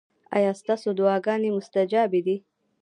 ایا ستاسو دعاګانې مستجابې دي؟